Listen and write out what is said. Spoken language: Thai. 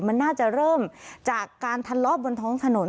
มันน่าจะเริ่มจากการทะเลาะบนท้องถนน